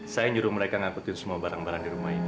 saya nyuruh mereka ngangkutin semua barang barang di rumah ini